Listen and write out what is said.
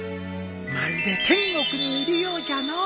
まるで天国にいるようじゃのう。